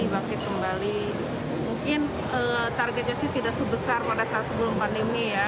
bangkit kembali mungkin targetnya sih tidak sebesar pada saat sebelum pandemi ya